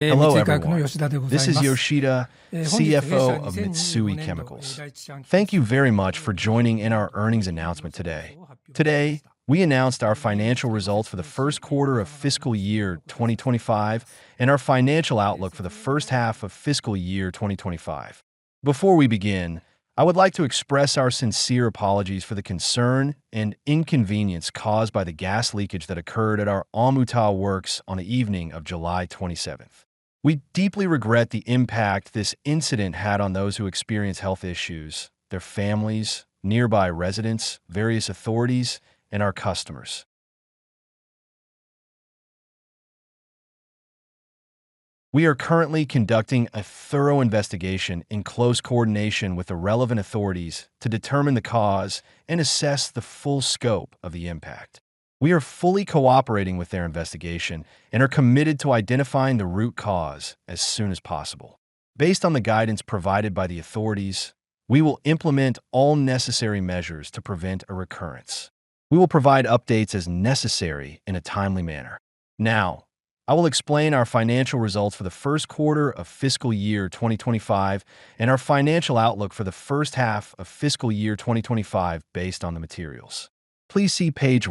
Hello, this is Yoshida of Mitsui Chemicals. Thank you very much for joining in our earnings announcement today. Today, we announced our financial results for the first quarter of fiscal year 2025 and our financial outlook for the first half of fiscal year 2025. Before we begin, I would like to express our sincere apologies for the concern and inconvenience caused by the gas leakage that occurred at our Omuta works on the evening of July 27. We deeply regret the impact this incident had on those who experience health issues, their families, nearby residents, various authorities, and our customers. We are currently conducting a thorough investigation in close coordination with the relevant authorities to determine the cause and assess the full scope of the impact. We are fully cooperating with their investigation and are committed to identifying the root cause as soon as possible. Based on the guidance provided by the authorities, we will implement all necessary measures to prevent a recurrence. We will provide updates as necessary in a timely manner. Now, I will explain our financial results for the first quarter of fiscal year 2025 and our financial outlook for the first half of fiscal year 2025 based on the materials. Please see page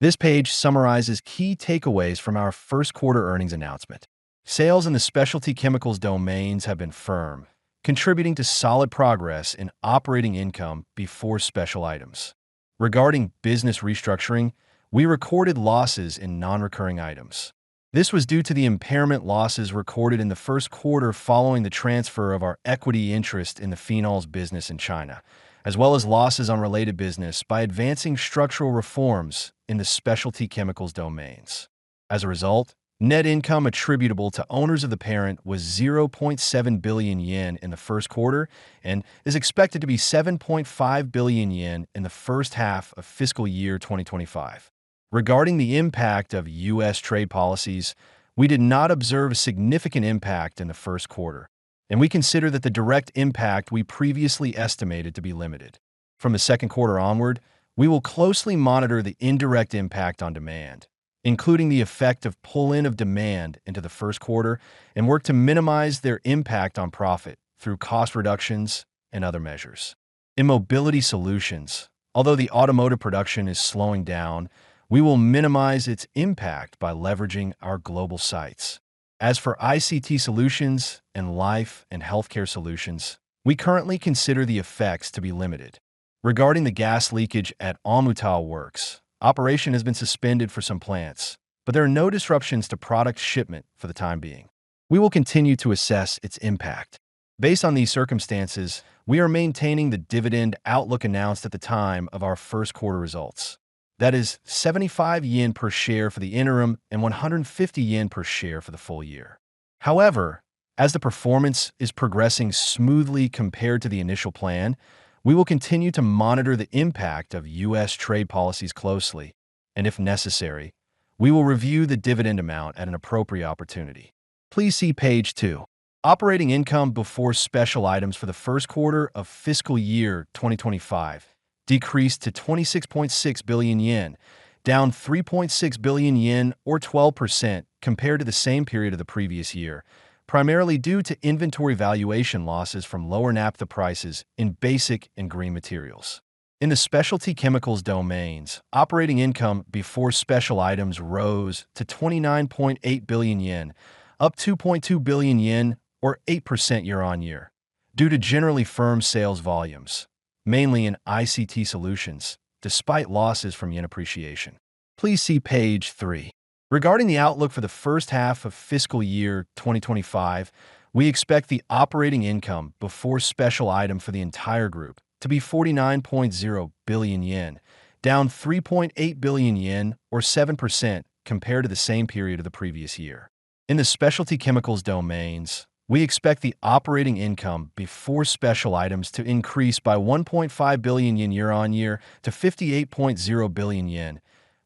1. This page summarizes key takeaways from our first quarter earnings announcement. Sales in the specialty chemicals domains have been firm, contributing to solid progress in operating income before special items. Regarding business restructuring, we recorded losses in non-recurring items. This was due to the impairment losses recorded in the first quarter following the transfer of our equity interest in the phenols business in China, as well as losses on related business by advancing structural reforms in the specialty chemicals domains. As a result, net income attributable to owners of the parent was 0.7 billion yen in the first quarter and is expected to be 7.5 billion yen in the first half of fiscal year 2025. Regarding the impact of U.S. trade policies, we did not observe a significant impact in the first quarter, and we consider that the direct impact we previously estimated to be limited. From the second quarter onward, we will closely monitor the indirect impact on demand, including the effect of pull-in of demand into the first quarter, and work to minimize their impact on profit through cost reductions and other measures. In mobility solutions, although the automotive production is slowing down, we will minimize its impact by leveraging our global sites. As for ICT solutions and life and healthcare solutions, we currently consider the effects to be limited. Regarding the gas leakage at Omuta works, operation has been suspended for some plants, but there are no disruptions to product shipment for the time being. We will continue to assess its impact. Based on these circumstances, we are maintaining the dividend outlook announced at the time of our first quarter results. That is 75 yen per share for the interim and 150 yen per share for the full year. However, as the performance is progressing smoothly compared to the initial plan, we will continue to monitor the impact of U.S. trade policies closely, and if necessary, we will review the dividend amount at an appropriate opportunity. Please see page 2. Operating income before special items for the first quarter of fiscal year 2025 decreased to 26.6 billion yen, down 3.6 billion yen or 12% compared to the same period of the previous year, primarily due to inventory valuation losses from lower naphtha prices in basic and green materials. In the specialty chemicals domains, operating income before special items rose to 29.8 billion yen, up 2.2 billion yen or 8% year-on-year, due to generally firm sales volumes, mainly in ICT solutions, despite losses from yen appreciation. Please see page 3. Regarding the outlook for the first half of fiscal year 2025, we expect the operating income before special items for the entire group to be 49.0 billion yen, down 3.8 billion yen or 7% compared to the same period of the previous year. In the specialty chemicals domains, we expect the operating income before special items to increase by 1.5 billion yen year-on-year to 58.0 billion yen,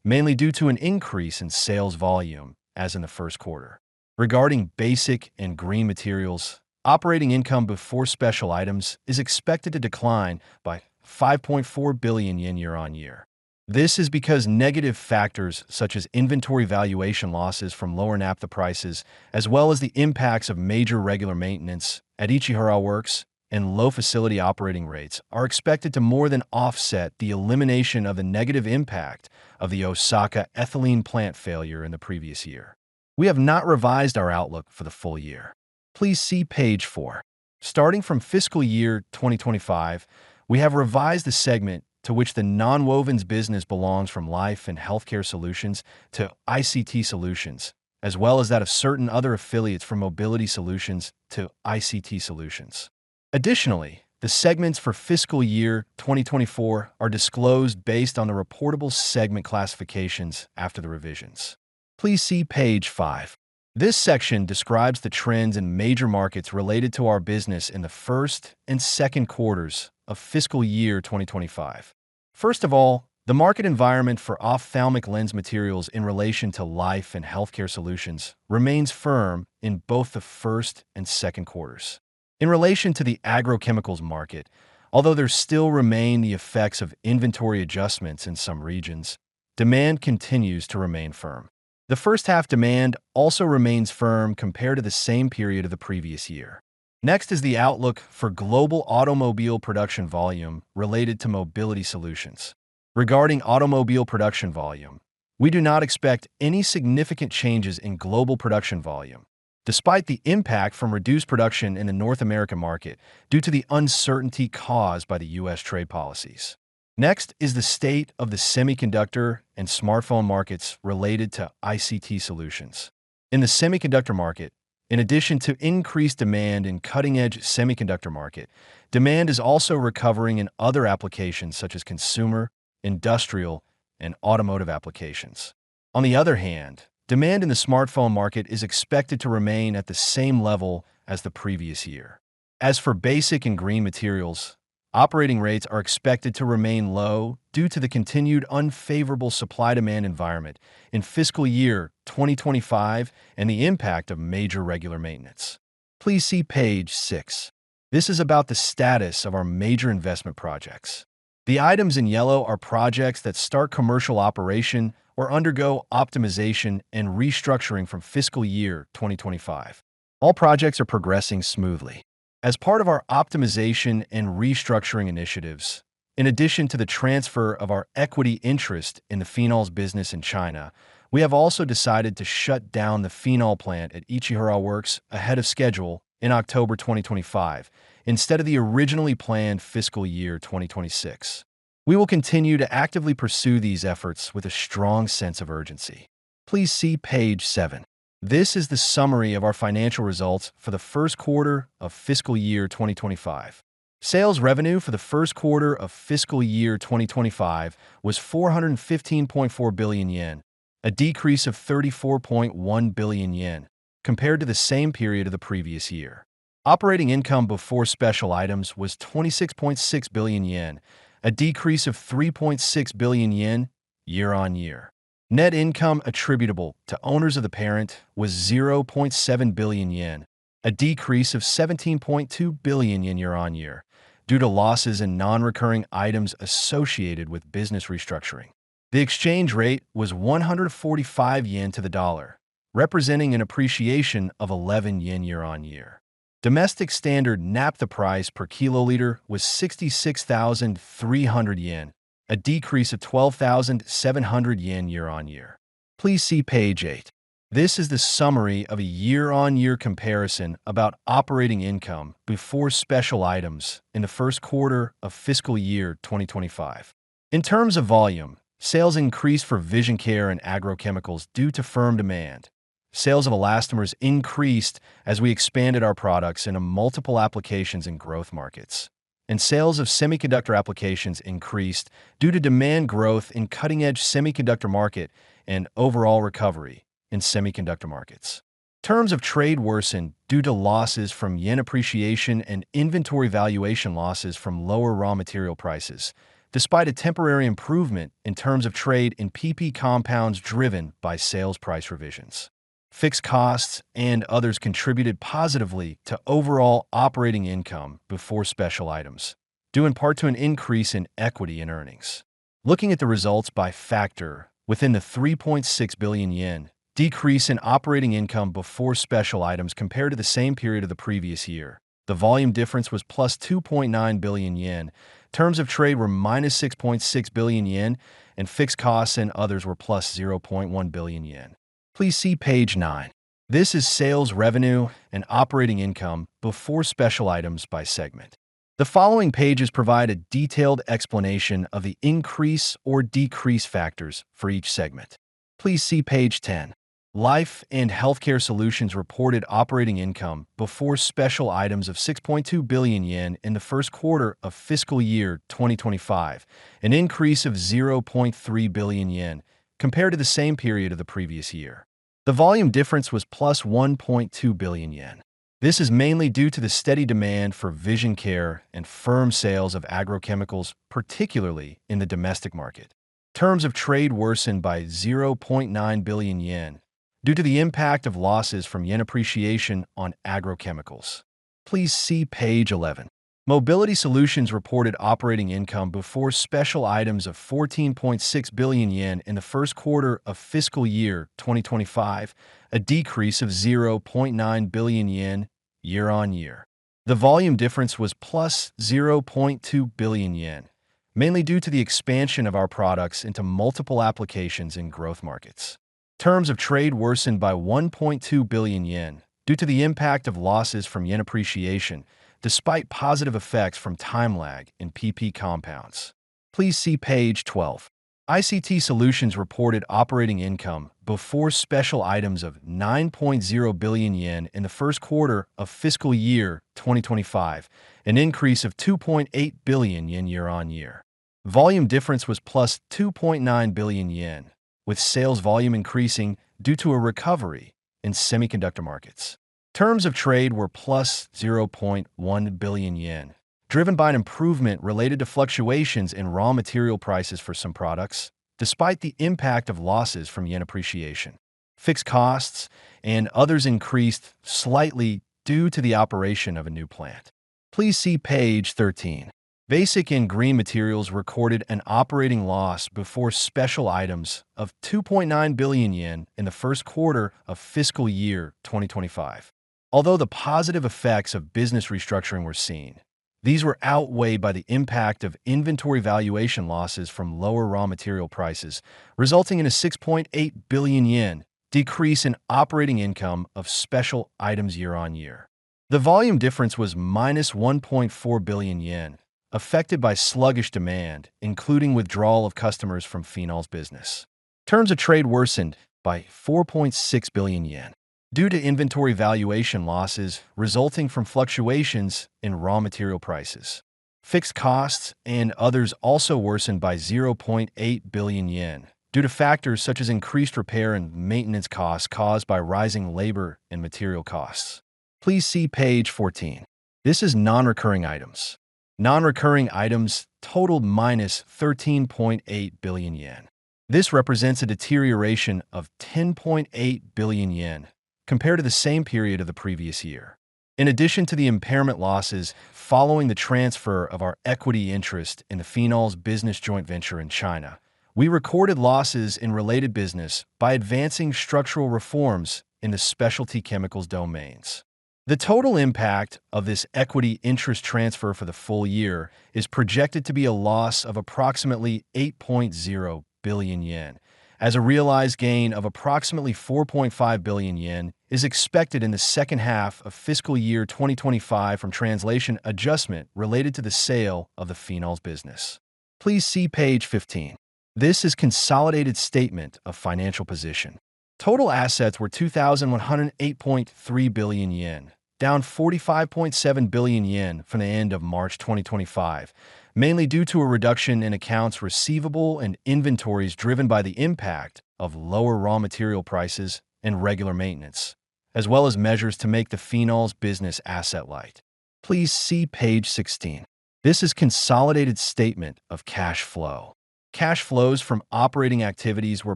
mainly due to an increase in sales volume as in the first quarter. Regarding basic and green materials, operating income before special items is expected to decline by 5.4 billion yen year-on-year. This is because negative factors such as inventory valuation losses from lower naphtha prices, as well as the impacts of major regular maintenance at Ichihara Works and low facility operating rates, are expected to more than offset the elimination of the negative impact of the Osaka ethylene plant failure in the previous year. We have not revised our outlook for the full year. Please see page 4. Starting from fiscal year 2025, we have revised the segment to which the non-wovens business belongs from Life and Healthcare Solutions to ICT Solutions, as well as that of certain other affiliates from Mobility Solutions to ICT Solutions. Additionally, the segments for fiscal year 2024 are disclosed based on the reportable segment classifications after the revisions. Please see page 5. This section describes the trends in major markets related to our business in the first and second quarters of fiscal year 2025. First of all, the market environment for ophthalmic lens materials in relation to Life and Healthcare Solutions remains firm in both the first and second quarters. In relation to the agrochemicals market, although there still remain the effects of inventory adjustments in some regions, demand continues to remain firm. The first-half demand also remains firm compared to the same period of the previous year. Next is the outlook for global automobile production volume related to Mobility Solutions. Regarding automobile production volume, we do not expect any significant changes in global production volume, despite the impact from reduced production in the North American market due to the uncertainty caused by U.S. trade policies. Next is the state of the semiconductor and smartphone markets related to ICT Solutions. In the semiconductor market, in addition to increased demand in the cutting-edge semiconductor market, demand is also recovering in other applications such as consumer, industrial, and automotive applications. On the other hand, demand in the smartphone market is expected to remain at the same level as the previous year. As for basic and green materials, operating rates are expected to remain low due to the continued unfavorable supply-demand environment in fiscal year 2025 and the impact of major regular maintenance. Please see page 6. This is about the status of our major investment projects. The items in yellow are projects that start commercial operation or undergo optimization and restructuring from fiscal year 2025. All projects are progressing smoothly. As part of our optimization and restructuring initiatives, in addition to the transfer of our equity interest in the phenols business in China, we have also decided to shut down the phenol plant at Ichihara Works ahead of schedule in October 2025, instead of the originally planned fiscal year 2026. We will continue to actively pursue these efforts with a strong sense of urgency. Please see page 7. This is the summary of our financial results for the first quarter of fiscal year 2025. Sales revenue for the first quarter of fiscal year 2025 was 415.4 billion yen, a decrease of 34.1 billion yen compared to the same period of the previous year. Operating income before special items was 26.6 billion yen, a decrease of 3.6 billion yen year-on-year. Net income attributable to owners of the parent was 0.7 billion yen, a decrease of 17.2 billion yen year-on-year, due to losses in non-recurring items associated with business restructuring. The exchange rate was 145 yen to the dollar, representing an appreciation of 11 yen year-on-year. Domestic standard naphtha price per kiloliter was 66,300 yen, a decrease of 12,700 yen year-on-year. Please see page 8. This is the summary of a year-on-year comparison about operating income before special items in the first quarter of fiscal year 2025. In terms of volume, sales increased for Vision Care and agrochemicals due to firm demand. Sales of elastomers increased as we expanded our products into multiple applications and growth markets. Sales of semiconductor applications increased due to demand growth in the cutting-edge semiconductor market and overall recovery in semiconductor markets. Terms of trade worsened due to losses from yen appreciation and inventory valuation losses from lower raw material prices, despite a temporary improvement in terms of trade in PP compounds driven by sales price revisions. Fixed costs and others contributed positively to overall operating income before special items, due in part to an increase in equity in earnings. Looking at the results by factor, within the 3.6 billion yen decrease in operating income before special items compared to the same period of the previous year, the volume difference was +2.9 billion yen, terms of trade were -6.6 billion yen, and fixed costs and others were +0.1 billion yen. Please see page 9. This is sales revenue and operating income before special items by segment. The following pages provide a detailed explanation of the increase or decrease factors for each segment. Please see page 10. Life and healthcare solutions reported operating income before special items of 6.2 billion yen in the first quarter of fiscal year 2025, an increase of 0.3 billion yen compared to the same period of the previous year. The volume difference was +1.2 billion yen. This is mainly due to the steady demand for Vision Care and firm sales of agrochemicals, particularly in the domestic market. Terms of trade worsened by 0.9 billion yen, due to the impact of losses from yen appreciation on agrochemicals. Please see page 11. Mobility solutions reported operating income before special items of 14.6 billion yen in the first quarter of fiscal year 2025, a decrease of 0.9 billion yen year-on-year. The volume difference was +0.2 billion yen, mainly due to the expansion of our products into multiple applications and growth markets. Terms of trade worsened by 1.2 billion yen, due to the impact of losses from yen appreciation, despite positive effects from time lag in PP compounds. Please see page 12. ICT solutions reported operating income before special items of 9.0 billion yen in the first quarter of fiscal year 2025, an increase of 2.8 billion yen year-on-year. Volume difference was +2.9 billion yen, with sales volume increasing due to a recovery in semiconductor markets. Terms of trade were +0.1 billion yen, driven by an improvement related to fluctuations in raw material prices for some products, despite the impact of losses from yen appreciation. Fixed costs and others increased slightly due to the operation of a new plant. Please see page 13. Basic and green materials recorded an operating loss before special items of 2.9 billion yen in the first quarter of fiscal year 2025. Although the positive effects of business restructuring were seen, these were outweighed by the impact of inventory valuation losses from lower raw material prices, resulting in a 6.8 billion yen decrease in operating income before special items year-on-year. The volume difference was -1.4 billion yen, affected by sluggish demand, including withdrawal of customers from the phenols business. Terms of trade worsened by 4.6 billion yen, due to inventory valuation losses resulting from fluctuations in raw material prices. Fixed costs and others also worsened by 0.8 billion yen, due to factors such as increased repair and maintenance costs caused by rising labor and material costs. Please see page 14. This is non-recurring items. Non-recurring items totaled -13.8 billion yen. This represents a deterioration of 10.8 billion yen compared to the same period of the previous year. In addition to the impairment losses following the transfer of our equity interest in the phenols business joint venture in China, we recorded losses in related business by advancing structural reforms in the specialty chemicals domains. The total impact of this equity interest transfer for the full year is projected to be a loss of approximately 8.0 billion yen, as a realized gain of approximately 4.5 billion yen is expected in the second half of fiscal year 2025 from translation adjustment related to the sale of the phenols business. Please see page 15. This is a consolidated statement of financial position. Total assets were 2,108.3 billion yen, down 45.7 billion yen from the end of March 2025, mainly due to a reduction in accounts receivable and inventories driven by the impact of lower raw material prices and regular maintenance, as well as measures to make the phenols business asset light. Please see page 16. This is a consolidated statement of cash flow. Cash flows from operating activities were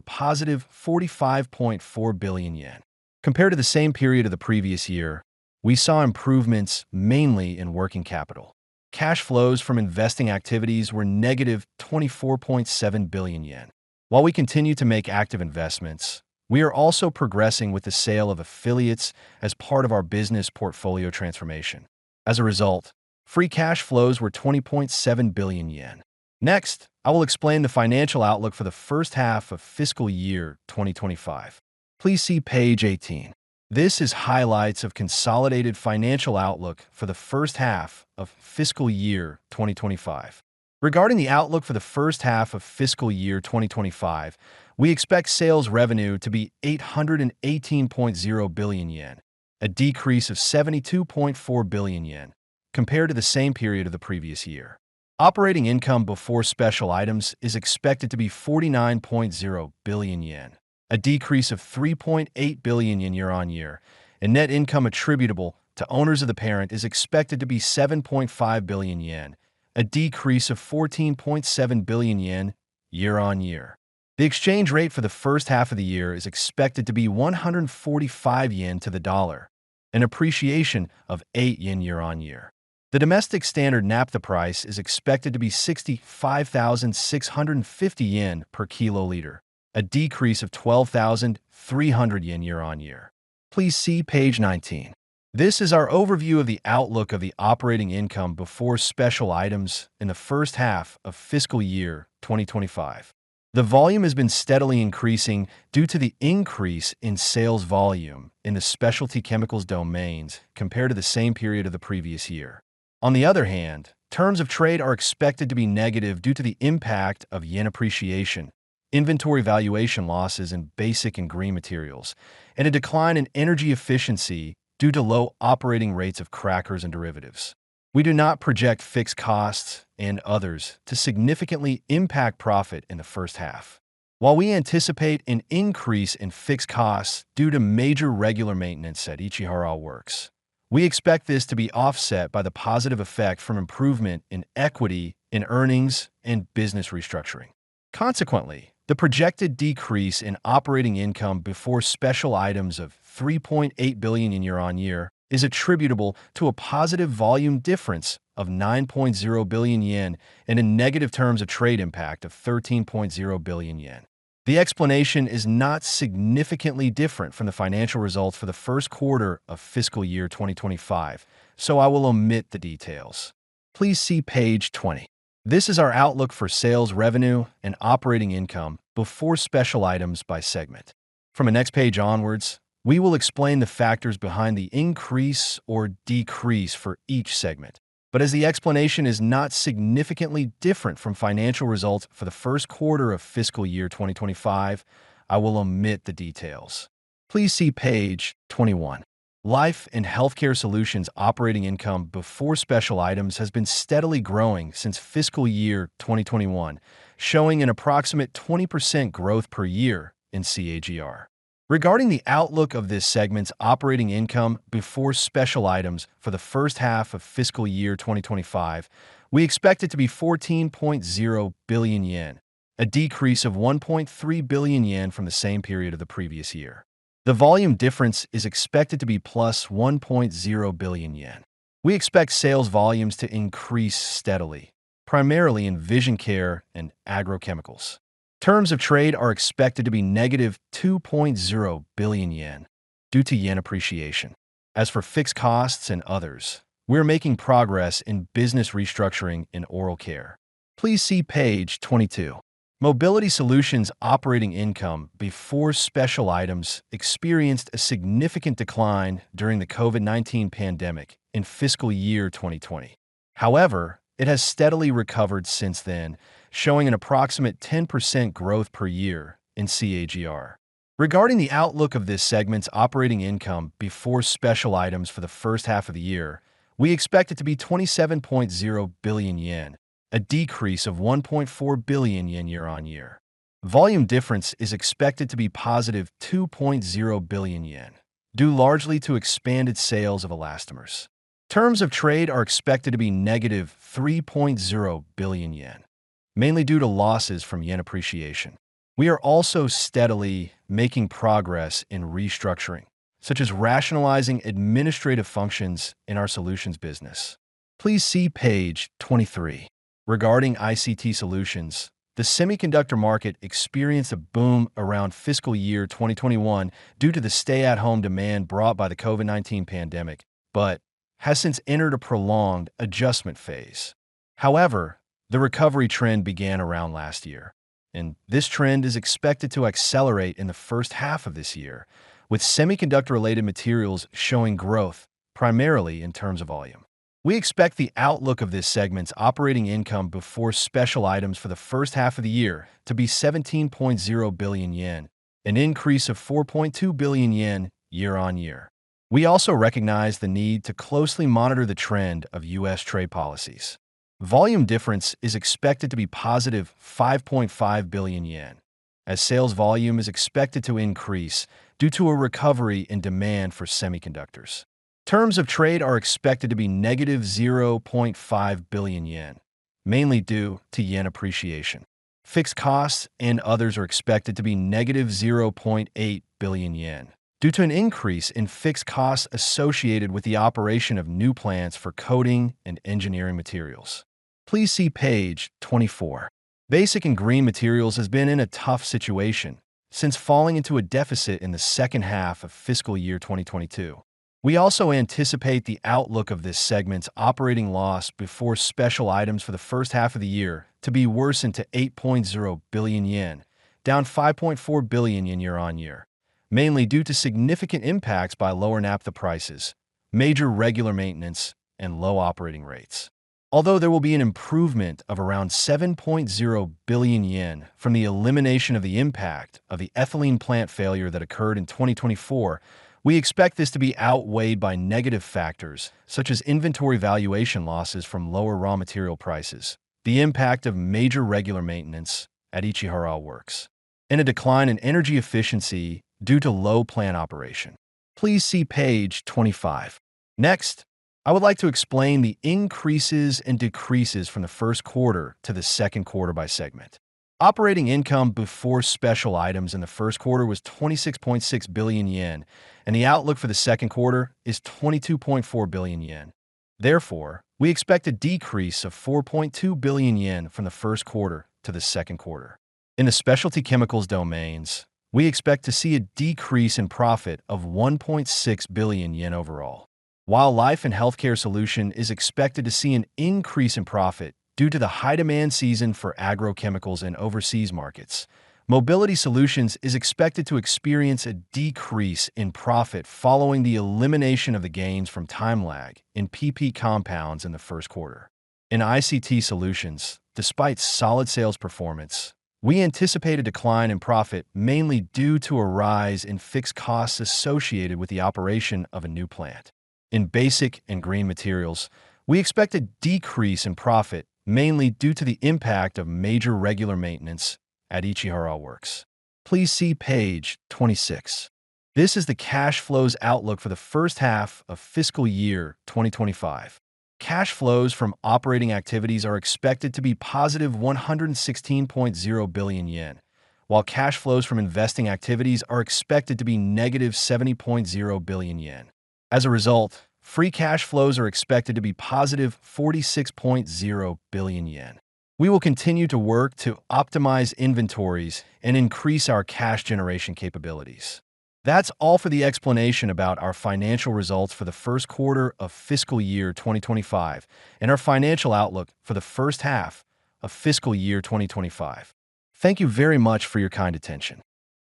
+45.4 billion yen. Compared to the same period of the previous year, we saw improvements mainly in working capital. Cash flows from investing activities were -24.7 billion yen. While we continue to make active investments, we are also progressing with the sale of affiliates as part of our business portfolio transformation. As a result, free cash flows were 20.7 billion yen. Next, I will explain the financial outlook for the first half of fiscal year 2025. Please see page 18. This is highlights of the consolidated financial outlook for the first half of fiscal year 2025. Regarding the outlook for the first half of fiscal year 2025, we expect sales revenue to be 818.0 billion yen, a decrease of 72.4 billion yen compared to the same period of the previous year. Operating income before special items is expected to be 49.0 billion yen, a decrease of 3.8 billion yen year-on-year, and net income attributable to owners of the parent is expected to be 7.5 billion yen, a decrease of 14.7 billion yen year-on-year. The exchange rate for the first half of the year is expected to be 145 yen to the dollar, an appreciation of 8 yen year-on-year. The domestic standard naphtha price is expected to be 65,650 yen per kiloliter, a decrease of 12,300 yen year-on-year. Please see page 19. This is our overview of the outlook of the operating income before special items in the first half of fiscal year 2025. The volume has been steadily increasing due to the increase in sales volume in the specialty chemicals domains compared to the same period of the previous year. On the other hand, terms of trade are expected to be negative due to the impact of yen appreciation, inventory valuation losses in basic and green materials, and a decline in energy efficiency due to low operating rates of crackers and derivatives. We do not project fixed costs and others to significantly impact profit in the first half. While we anticipate an increase in fixed costs due to major regular maintenance at Ichihara Works, we expect this to be offset by the positive effect from improvement in equity in earnings and business restructuring. Consequently, the projected decrease in operating income before special items of 3.8 billion year-on-year is attributable to a positive volume difference of 9.0 billion yen and a negative terms of trade impact of 13.0 billion yen. The explanation is not significantly different from the financial results for the first quarter of fiscal year 2025, so I will omit the details. Please see page 20. This is our outlook for sales revenue and operating income before special items by segment. From the next page onwards, we will explain the factors behind the increase or decrease for each segment, but as the explanation is not significantly different from financial results for the first quarter of fiscal year 2025, I will omit the details. Please see page 21. Life and healthcare solutions operating income before special items has been steadily growing since fiscal year 2021, showing an approximate 20% growth per year in CAGR. Regarding the outlook of this segment's operating income before special items for the first half of fiscal year 2025, we expect it to be 14.0 billion yen, a decrease of 1.3 billion yen from the same period of the previous year. The volume difference is expected to be +1.0 billion yen. We expect sales volumes to increase steadily, primarily in Vision Care and agrochemicals. Terms of trade are expected to be 2.0 billion yen, due to yen appreciation. As for fixed costs and others, we are making progress in business restructuring in oral care. Please see page 22. Mobility solutions operating income before special items experienced a significant decline during the COVID-19 pandemic in fiscal year 2020. However, it has steadily recovered since then, showing an approximate 10% growth per year in CAGR. Regarding the outlook of this segment's operating income before special items for the first half of the year, we expect it to be 27.0 billion yen, a decrease of 1.4 billion yen year-on-year. Volume difference is expected to be +2.0 billion yen, due largely to expanded sales of elastomers. Terms of trade are expected to be 3.0 billion yen, mainly due to losses from yen appreciation. We are also steadily making progress in restructuring, such as rationalizing administrative functions in our solutions business. Please see page 23. Regarding ICT solutions, the semiconductor market experienced a boom around fiscal year 2021 due to the stay-at-home demand brought by the COVID-19 pandemic, but has since entered a prolonged adjustment phase. However, the recovery trend began around last year, and this trend is expected to accelerate in the first half of this year, with semiconductor-related materials showing growth, primarily in terms of volume. We expect the outlook of this segment's operating income before special items for the first half of the year to be 17.0 billion yen, an increase of 4.2 billion yen year-on-year. We also recognize the need to closely monitor the trend of U.S. trade policies. Volume difference is expected to be +5.5 billion yen, as sales volume is expected to increase due to a recovery in demand for semiconductors. Terms of trade are expected to be 0.5 billion yen, mainly due to yen appreciation. Fixed costs and others are expected to be 0.8 billion yen, due to an increase in fixed costs associated with the operation of new plants for coating and engineering materials. Please see page 24. Basic and green materials have been in a tough situation since falling into a deficit in the second half of fiscal year 2022. We also anticipate the outlook of this segment's operating loss before special items for the first half of the year to be worsened to 8.0 billion yen, down 5.4 billion yen year-on-year, mainly due to significant impacts by lower naphtha prices, major regular maintenance, and low operating rates. Although there will be an improvement of around 7.0 billion yen from the elimination of the impact of the ethylene plant failure that occurred in 2024, we expect this to be outweighed by negative factors such as inventory valuation losses from lower raw material prices, the impact of major regular maintenance at Ichihara Works, and a decline in energy efficiency due to low plant operation. Please see page 25. Next, I would like to explain the increases and decreases from the first quarter to the second quarter by segment. Operating income before special items in the first quarter was 26.6 billion yen, and the outlook for the second quarter is 22.4 billion yen. Therefore, we expect a decrease of 4.2 billion yen from the first quarter to the second quarter. In the specialty chemicals domains, we expect to see a decrease in profit of 1.6 billion yen overall, while life and healthcare solutions are expected to see an increase in profit due to the high demand season for agrochemicals in overseas markets. Mobility solutions are expected to experience a decrease in profit following the elimination of the gains from time lag in PP compounds in the first quarter. In ICT solutions, despite solid sales performance, we anticipate a decline in profit mainly due to a rise in fixed costs associated with the operation of a new plant. In basic and green materials, we expect a decrease in profit mainly due to the impact of major regular maintenance at Ichihara Works. Please see page 26. This is the cash flows outlook for the first half of fiscal year 2025. Cash flows from operating activities are expected to be 116.0 billion yen, while cash flows from investing activities are expected to be 70.0 billion yen. As a result, free cash flows are expected to be 46.0 billion yen. We will continue to work to optimize inventories and increase our cash generation capabilities. That's all for the explanation about our financial results for the first quarter of fiscal year 2025 and our financial outlook for the first half of fiscal year 2025. Thank you very much for your kind attention.